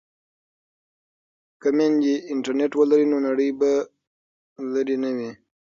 که میندې انټرنیټ ولري نو نړۍ به لرې نه وي.